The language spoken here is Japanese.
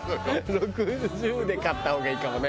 ６０で飼った方がいいかもね。